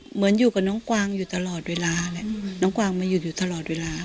เหมือนกับอยู่กับน้องกวางอยู่ตลอดเวลาแหละน้องกวางมาหยุดอยู่ตลอดเวลา